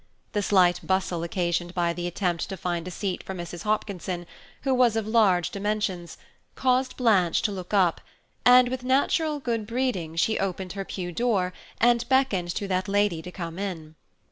The slight bustle occasioned by the attempt to find a seat for Mrs. Hopkinson, who was of large dimensions, caused Blanche to look up, and with natural good breeding she opened her pew door, and beckoned to that lady to come in.